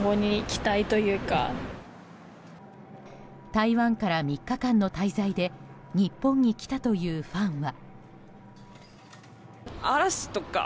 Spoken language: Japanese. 台湾から３日間の滞在で日本に来たというファンは。